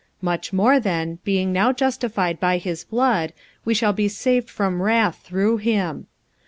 45:005:009 Much more then, being now justified by his blood, we shall be saved from wrath through him.